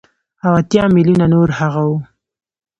او اتيا ميليونه نور هغه وو.